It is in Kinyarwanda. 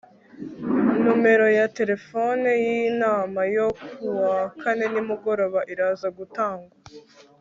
numero ya terefone yinama yo kuwa kane nimugoroba iraza gutangwa